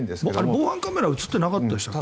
防犯カメラに映ってなかったんですか？